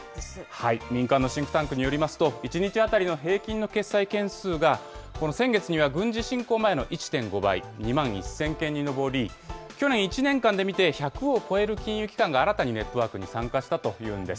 民間のシンクタンクによりますと、１日当たりの平均の決済件数が、先月には軍事侵攻前の１．５倍、２万１０００件に上り、去年１年間で見て、１００を超える金融機関が新たにネットワークに参加したというんです。